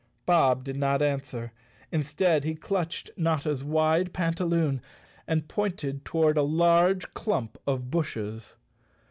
Bob did not answer. Instead he clutched Notta's wide pantaloon and pointed toward a large clump of bushes.